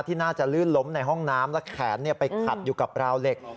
น่าจะลื่นล้มในห้องน้ำและแขนไปขัดอยู่กับราวเหล็ก